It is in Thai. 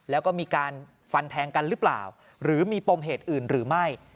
แล้วก็มีการฟันแทงกันหรือเปล่าหรือมีปมเหตุอื่นหรือไม่